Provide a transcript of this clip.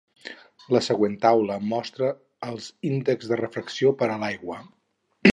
La següent taula mostra els índexs de refracció per a l'aigua.